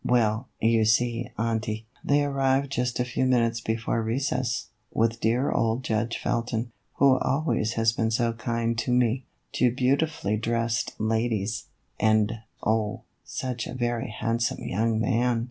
"Well, you see, auntie, they arrived just a few minutes before recess, with dear old Judge Felton, who always has been so kind to me; two beauti fully dressed ladies, and, oh, such a very handsome young man